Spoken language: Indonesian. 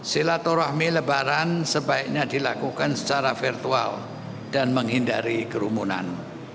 silaturahmi lebaran sebaiknya dilakukan secara virtual dan menghindari kerumunan